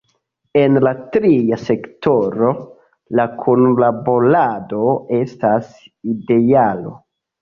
En la tria sektoro la kunlaborado estas idealo.